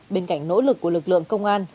bên cạnh nỗ lực của lực lượng công an